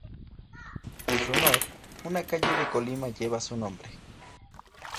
En su honor, una calle de Colima lleva su nombre.